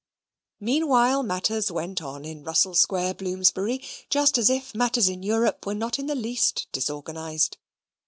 Meanwhile matters went on in Russell Square, Bloomsbury, just as if matters in Europe were not in the least disorganised.